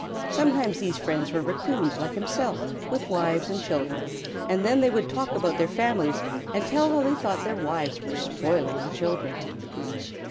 Sometimes these friends were Raccoons like himself with wives and children, and then they would talk about their families and tell how they thought their wives were spoiling the children.